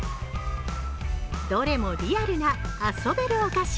どれもリアルな遊べるお菓子。